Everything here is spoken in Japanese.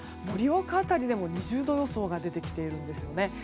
盛岡辺りでも２０度予想が出てきていますね。